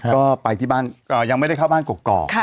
ก็ไปที่บ้านยังไม่ได้เข้าบ้านกอก